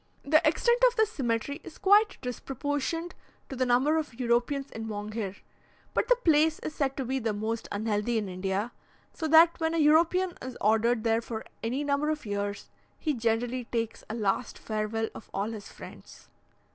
The extent of this cemetery is quite disproportioned to the number of Europeans in Monghyr; but the place is said to be the most unhealthy in India, so that when a European is ordered there for any number of years, he generally takes a last farewell of all his friends.